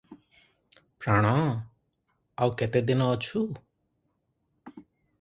ପ୍ରାଣ! ଆଉ କେତେଦିନ ଅଛୁ?